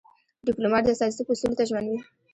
ډيپلومات د استازیتوب اصولو ته ژمن وي.